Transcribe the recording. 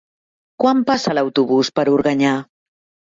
Quan passa l'autobús per Organyà?